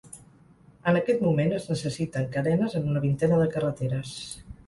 En aquest moment, es necessiten cadenes en una vintena de carreteres.